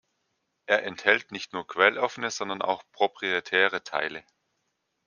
Er enthält nicht nur quelloffene, sondern auch proprietäre Teile.